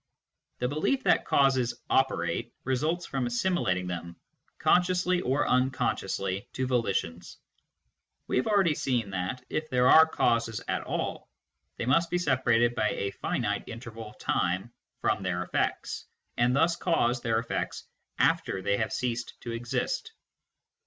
The belief that causes " operate " results from assimilating them, consciously or uncon sciously, to volitions. We have already seen that, if there are causes at all, they must be separated by a finite interval of time from their effects, and thus cause their effects after they have ceased to exist.